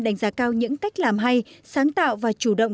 đánh giá cao những cách làm hay sáng tạo và chủ động